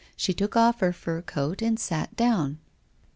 She took off her fur coat and sat down.